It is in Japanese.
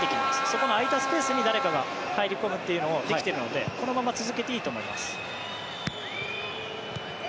そこの空いたスペースに誰かが入り込むというのができているのでこのまま続けていいと思います。